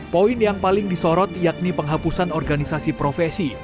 poin yang paling disorot yakni penghapusan organisasi profesi